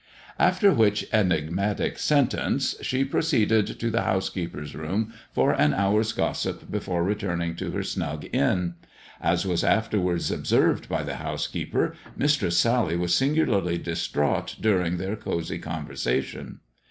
After which enigmatic sentence, she proceeded to the housekeeper's room for an hour's gossip before returning to her snug inn. As was afterwards observed by the house keeper. Mistress Sally was singularly distraught during their cosy conversation.